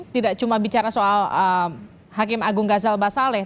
tidak cuma bicara soal hakim agung gazal basaleh